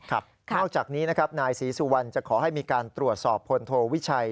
นอกจากนี้นะครับนายศรีสุวรรณจะขอให้มีการตรวจสอบพลโทวิชัย